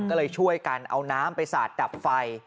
ก็เลยช่วยกันเอาน้ำไปสาดดับไฟ